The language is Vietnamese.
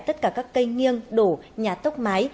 tất cả các cây nghiêng đổ nhà tốc máy